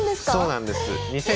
そうなんです。